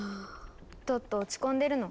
トット落ち込んでるの？